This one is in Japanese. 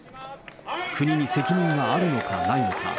国に責任があるのかないのか。